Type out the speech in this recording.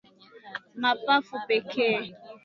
mapafu pekee